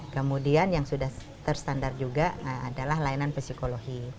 kemudian yang sudah terstandar juga adalah layanan psikologi